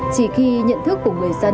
chỉ khi nhận thức của người dân